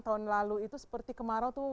tahun lalu itu seperti kemarau itu